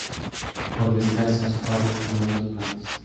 Por desgracia, su padre tiene otros planes.